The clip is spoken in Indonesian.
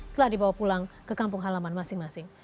telah dibawa pulang ke kampung halaman masing masing